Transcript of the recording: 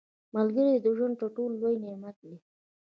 • ملګری د ژوند تر ټولو لوی نعمت دی.